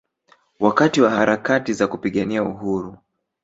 Wakati wa harakati za kupigania Uhuru